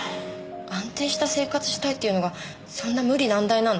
安定した生活したいっていうのがそんな無理難題なの？